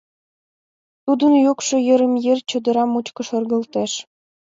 Тудын йӱкшӧ йырым-йыр чодыра мучко шергылтеш.